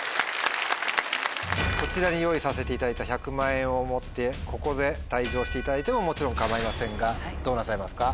こちらに用意させていただいた１００万円を持ってここで退場していただいてももちろん構いませんがどうなさいますか？